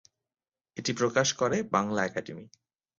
এটি প্রকাশ করে বাংলা একাডেমি।